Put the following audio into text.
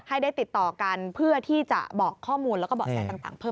ให้ได้ติดต่อกันเพื่อที่จะบอกข้อมูลแล้วก็เบาะแสต่างเพิ่ม